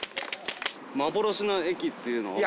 幻の駅っていうのを。